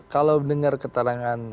kalau mendengar keterangan